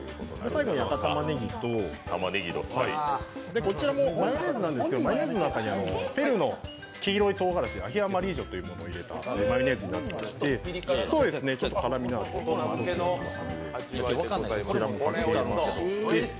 最後に赤たまねぎとこちらもマヨネーズなんですけど、マヨネーズの中に黄色い唐辛子、アヒ・アマリージョというマヨネーズになっていまして、ちょっと辛みがあります。